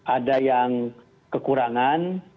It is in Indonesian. ada yang kekurangan